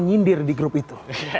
nyindir di grup itu